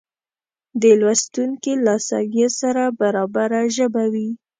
د لوستونکې له سویې سره برابره ژبه وي